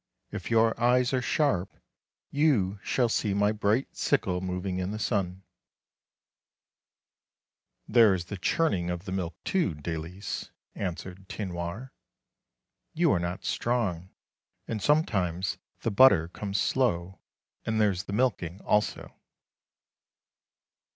If your eyes are sharp you shall see my bright sickle moving in the sun." " There is the churning of the milk too, Dalice," 322 THE LANE THAT HAD NO TURNING answered Tinoir ;" you are not strong, and sometimes the butter comes slow; and there's the milking also."